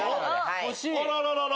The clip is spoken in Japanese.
あららら！